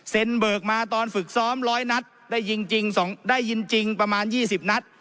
เซ็นเบิร์กมาตอนฝึกซ้อมร้อยนัดได้ยินจริงประมาณ๒๐นัด